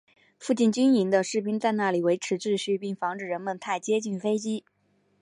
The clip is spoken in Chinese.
附近军营的士兵在那里维持秩序并防止人们太接近飞机。